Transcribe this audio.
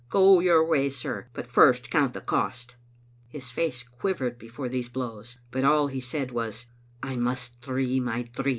Go your way, sir; but first count the cost." His face quivered before these blows, but all he said was, " I must dree my dreed."